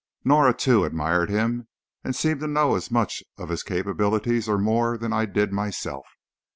Norah, too, admired him, and seemed to know as much of his capabilities, or more, than I did myself.